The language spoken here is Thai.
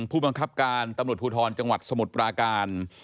ผู้บังคับการตำรวจภูทรจังหวัดสมุทรปราการ